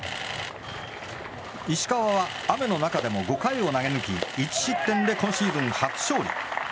石川は雨の中でも５回を投げ抜き１失点で今シーズン初勝利。